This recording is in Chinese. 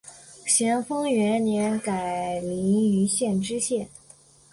咸丰元年改临榆县知县。